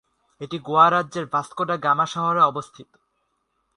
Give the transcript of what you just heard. এটি গোয়া রাজ্যের ভাস্কো ডা গামা শহরে অবস্থিত।